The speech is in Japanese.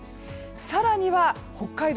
更には北海道